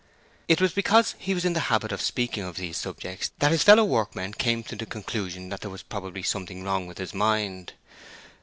It was because he was in the habit of speaking of these subjects that his fellow workmen came to the conclusion that there was probably something wrong with his mind.